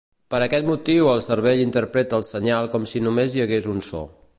Per aquest motiu el cervell interpreta el senyal com si només hi hagués un so.